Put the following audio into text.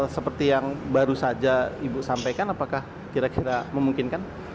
seperti yang baru saja ibu sampaikan apakah kira kira memungkinkan